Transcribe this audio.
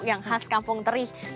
yang khas kampung teri